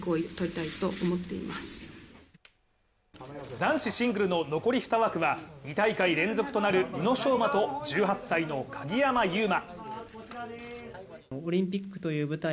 男子シングルの残り２枠は、２大会連続となる宇野昌磨と１８歳の鍵山優真。